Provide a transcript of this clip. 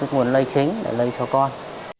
cái nguồn lây chính để lây cho con